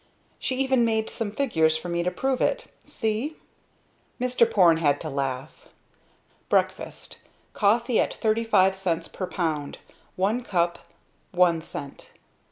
She even made some figures for me to prove it see." Mr. Porne had to laugh. "Breakfast. Coffee at thirty five cents per pound, one cup, one cent.